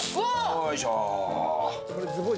よいしょ。